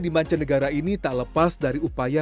di mancanegara ini tak lepas dari upaya